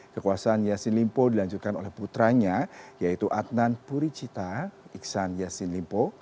kekuasaan yassin limpo dilanjutkan oleh putranya yaitu adnan puricita iksan yassin limpo